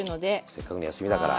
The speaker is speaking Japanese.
せっかくの休みだから。